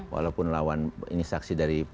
walaupun ini saksi dari